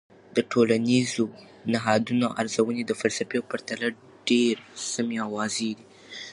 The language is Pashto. د ټولنیزو نهادونو ارزونې د فلسفې په پرتله ډیر سمی او واضح دي.